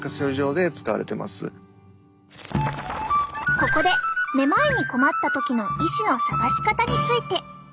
ここでめまいに困った時の医師の探し方について。